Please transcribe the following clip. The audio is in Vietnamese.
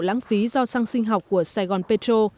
lãng phí do xăng sinh học của saigon petro